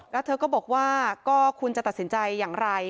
แล้วเธอก็บอกว่าก็คุณจะตัดสินใจอย่างไร